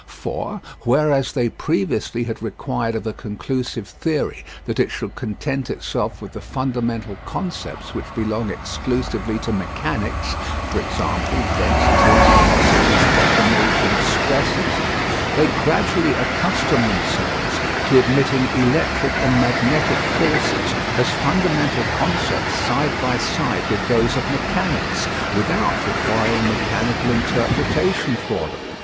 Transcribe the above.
For whereas they previously had required of a conclusive theory that it should content itself with the fundamental concepts which belong exclusively to mechanics (e.g. densities, velocities, deformations, stresses) they gradually accustomed themselves to admitting electric and magnetic force as fundamental concepts side by side with those of mechanics, without requiring a mechanical interpretation for them.